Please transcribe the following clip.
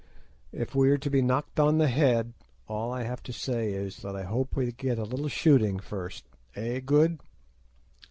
If we are to be knocked on the head, all I have to say is, that I hope we get a little shooting first, eh, Good?"